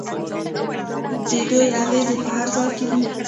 د دوی اغیز په هر ځای کې دی.